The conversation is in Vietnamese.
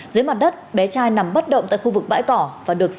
dưới mặt đất bé trai nằm bất động tại khu vực bãi cỏ